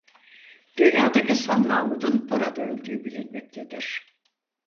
Dünyadaki son mamutun burada öldüğü bilinmektedir.